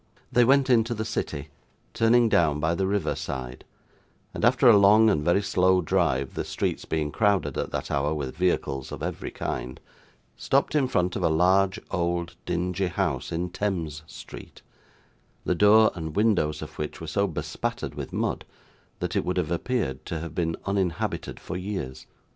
They went into the city, turning down by the river side; and, after a long and very slow drive, the streets being crowded at that hour with vehicles of every kind, stopped in front of a large old dingy house in Thames Street: the door and windows of which were so bespattered with mud, that it would have appeared to have been uninhabited for years.